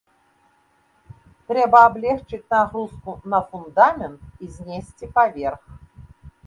Трэба аблегчыць нагрузку на фундамент і знесці паверх.